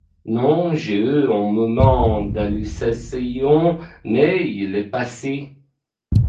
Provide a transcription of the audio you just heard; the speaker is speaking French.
Non, j’ai eu un moment d’hallucination, mais il est passé.